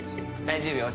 大丈夫よ。